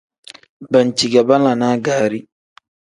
Banci ge banlanaa gaari.